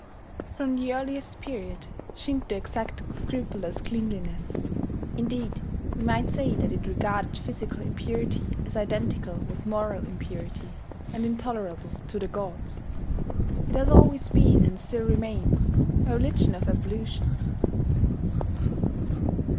From the earliest period Shinto exacted scrupulous cleanliness indeed, we might say that it regarded physical impurity as identical with moral impurity, and intolerable to the gods. It has always been, and still remains, a religion of ablutions.